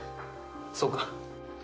そうか。